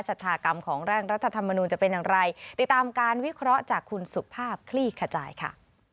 ชากรรมของร่างรัฐธรรมนูลจะเป็นอย่างไรติดตามการวิเคราะห์จากคุณสุภาพคลี่ขจายค่ะ